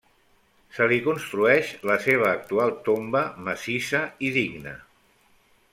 Se li construeix la seva actual tomba, massissa i digne.